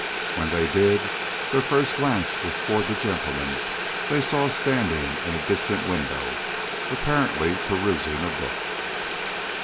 When they did, their first glance was toward the gentleman they saw standing in a distant window, apparently perusing a book.